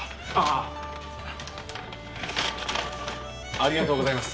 ありがとうございます。